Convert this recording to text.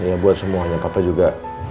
ya buat semuanya papa juga